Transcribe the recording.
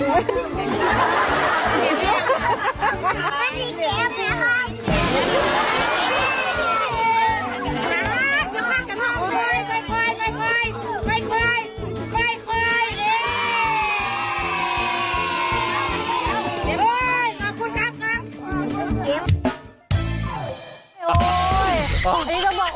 โอ๊ยอันนี้ก็บอกโอ๊ยบักหลาก